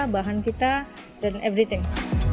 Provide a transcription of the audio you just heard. bahan kita dan everything